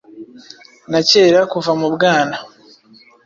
na kera kuva mu bwana,